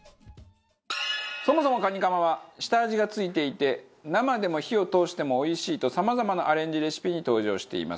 そもそもカニカマは下味が付いていて生でも火を通してもおいしいとさまざまなアレンジレシピに登場しています。